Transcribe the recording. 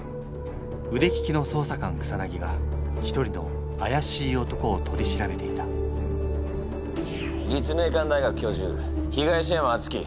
腕利きの捜査官草が一人のあやしい男を取り調べていた立命館大学教授東山篤規。